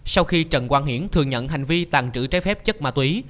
sau khi trần quang hiển thừa nhận hành vi tàn trữ trái phép chất ma túy